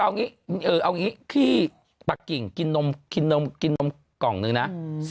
เอาอย่างนี้ที่ปักกิ่งกินนมกล่องนึงนะ